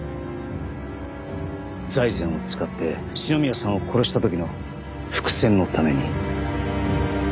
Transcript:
財前を使って篠宮さんを殺した時の伏線のために。